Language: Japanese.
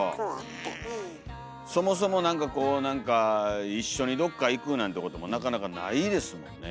そもそも何かこう何か一緒にどっか行くなんてこともなかなかないですもんね。